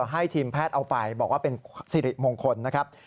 ให้ทีมแพทย์เอาไปบอกว่าเป็นสิริมงคลนะครับ